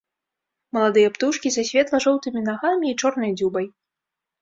Маладыя птушкі са светла-жоўтымі нагамі і чорнай дзюбай.